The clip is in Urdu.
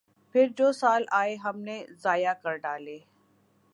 پھر جو سال آئے ہم نے ضائع کر ڈالے۔